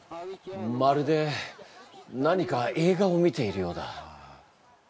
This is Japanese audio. まるで何か映画を見ているようだ。